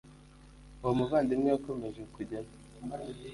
uwo muvandimwe yakomeje kujyayo